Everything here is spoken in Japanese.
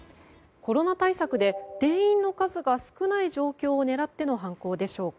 コロナ対策で店員の数が少ない状況を狙っての犯行でしょうか。